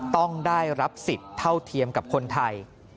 ต้องได้รับสิทธิ์เท่าเทียมกับคนไทย